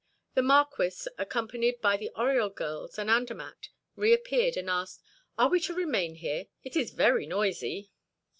The Marquis, accompanied by the Oriol girls and Andermatt, reappeared, and asked: "Are we to remain here? It is very noisy."